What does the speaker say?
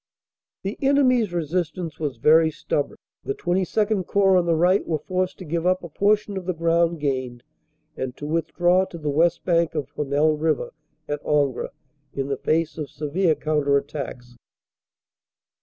"The enemy s resistance was very stubborn. The XXII Corps on the right were forced to give up a portion of the ground gained and to withdraw to the west bank of Honelle River at Angre, in the face of severe counter attacks.